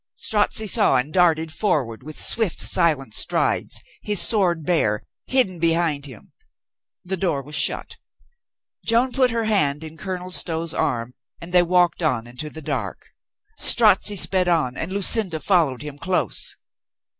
Strozzi saw and darted forward 452 COLONEL GREATHEART with swift, silent strides, his sword bare, hidden be hind him. The door was shut. Joan put her hand in Colonel Stow's arm and they walked on into the dark. Strozzi sped on and Lucinda followed him close.